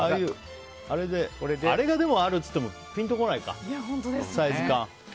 あれがあるといってもピンとこないか、サイズ感。